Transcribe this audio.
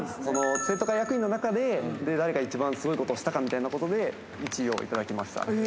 生徒会役員の中でだれが一番すごいことをしたかということの中で、日本一を頂きました。